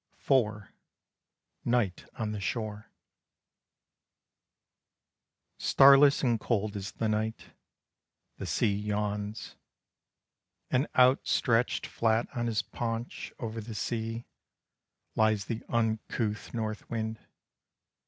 IV. NIGHT ON THE SHORE. Starless and cold is the night, The sea yawns; And outstretched flat on his paunch, over the sea, Lies the uncouth North wind.